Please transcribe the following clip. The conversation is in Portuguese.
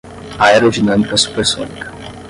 aerodinâmica supersônica